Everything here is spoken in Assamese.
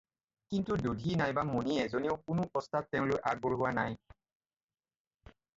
কিন্তু দধি নাইবা মণি এজনেও কোনো প্ৰস্তাব তেওঁলৈ আগ বঢ়োৱা নাই।